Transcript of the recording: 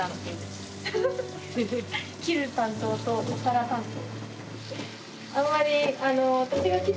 切る担当とお皿担当。